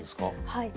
はい。